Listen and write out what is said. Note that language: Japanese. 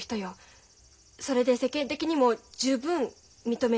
それで世間的にも十分認められる何か。